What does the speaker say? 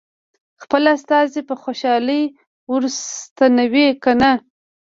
خپل استازی په خوشالۍ ور ستنوي که نه.